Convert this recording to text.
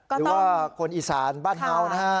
หรือว่าคนอีสานบ้านเงานะฮะ